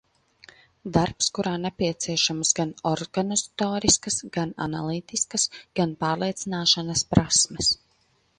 Darbs, kurā nepieciešamas gan organizatoriskas, gan analītiskas, gan pārliecināšanas prasmes.